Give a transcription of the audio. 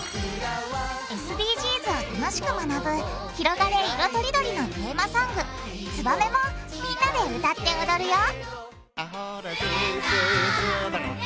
ＳＤＧｓを楽しく学ぶ「ひろがれ！いろとりどり」のテーマソング「ツバメ」もみんなで歌って踊るよ！